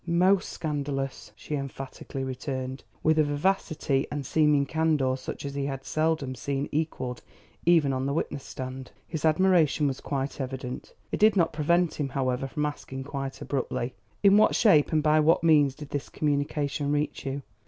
"Most scandalous," she emphatically returned, with a vivacity and seeming candour such as he had seldom seen equalled even on the witness stand. His admiration was quite evident. It did not prevent him, however, from asking quite abruptly: "In what shape and by what means did this communication reach you?"